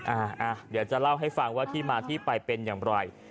เดี๋ยวจะเล่าให้ฟังว่าที่มาที่ไปเป็นอย่างไร